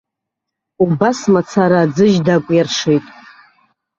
Убас мацара аӡыжь дакәиршеит.